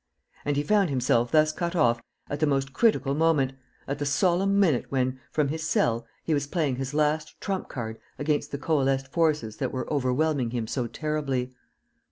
And he found himself thus cut off at the most critical moment, at the solemn minute when, from his cell, he was playing his last trump card against the coalesced forces that were overwhelming him so terribly.